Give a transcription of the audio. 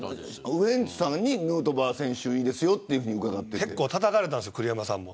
ウエンツさんにヌートバー選手いいですよ結構たたかれたんです栗山さんも。